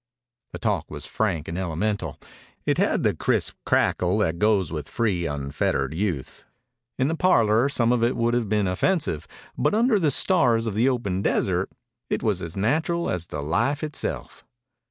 The talk was frank and elemental. It had the crisp crackle that goes with free, unfettered youth. In a parlor some of it would have been offensive, but under the stars of the open desert it was as natural as the life itself.